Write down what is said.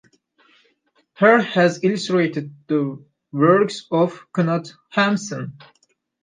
Harr has illustrated the works of Knut Hamsun.